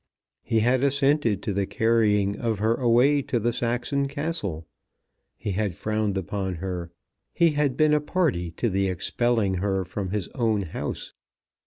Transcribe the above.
He had assented to the carrying of her away to the Saxon castle. He had frowned upon her. He had been a party to the expelling her from his own house.